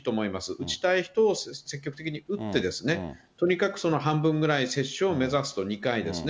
打ちたい人を積極的に打ってですね、とにかくその半分ぐらい接種を目指すと、２回ですね。